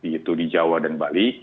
yaitu di jawa dan bali